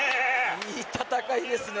いい戦いですね。